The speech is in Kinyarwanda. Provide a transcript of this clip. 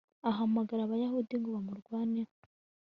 ahamagara abayahudi ngo bamurwaneho